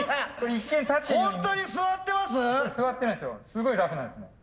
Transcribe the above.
すごい楽なんですね。